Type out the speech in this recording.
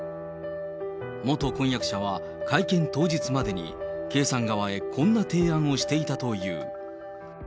元婚約者は、会見当日までに、圭さん側へこんな提案をしていたという。